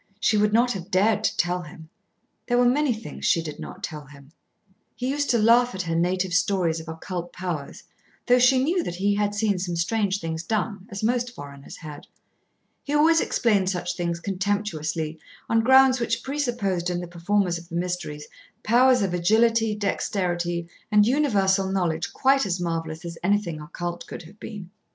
She would not have dared to tell him. There were many things she did not tell him. He used to laugh at her native stories of occult powers, though she knew that he had seen some strange things done, as most foreigners had. He always explained such things contemptuously on grounds which presupposed in the performers of the mysteries powers of agility, dexterity, and universal knowledge quite as marvellous as anything occult could have been.